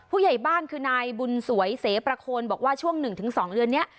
ผู้ใหญ่บ้านคือนายบุญสวยเสประโคนบอกว่าช่วง๑๒เดือนนี้